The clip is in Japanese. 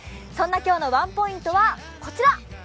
そんな今日のワンポイントは、こちら。